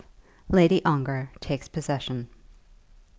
LADY ONGAR TAKES POSSESSION.